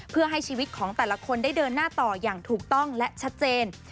เพื่อให้ชีวิตของแต่ละคนได้เดินหน้าต่ออย่างถูกต้องและชัดเจน